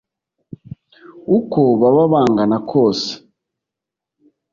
uko baba bangana kose